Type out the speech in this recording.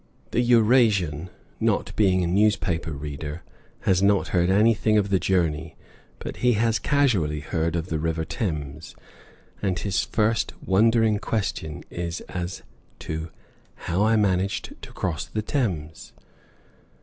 The Eurasian, not being a newspaper reader, has not heard anything of the journey. But he has casually heard of the River Thames, and his first wondering question is as to "how I managed to cross the Thames!"